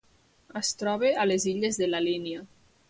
Es troba a les Illes de la Línia.